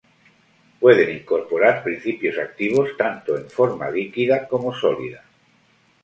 Pueden incorporar principios activos tanto en forma líquida como sólida.